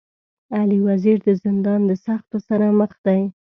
علي وزير د زندان د سختو سره مخ دی.